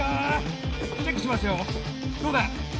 チェックしますよどうだ？